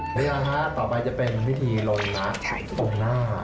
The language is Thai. นี่นะฮะต่อไปจะเป็นพิธีลงนะตรงหน้า